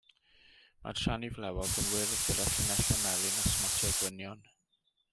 Mae'r siani flewog yn wyrdd gyda llinellau melyn a smotiau gwynion.